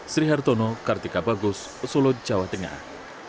sri hartono kartika bagus solo jawa tengah